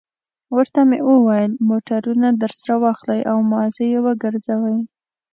ورته مې وویل: موټرونه درسره واخلئ او مازې یې وګرځوئ.